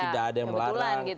jadi tidak ada yang melarang